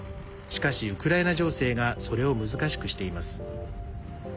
しかし、ウクライナ情勢がそれを難しくしています。